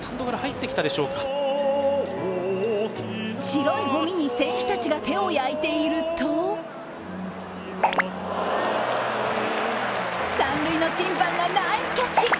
白いごみに選手たちが手を焼いていると三塁の審判がナイスキャッチ。